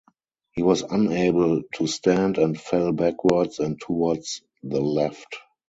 He was unable to stand and fell backwards and towards the left.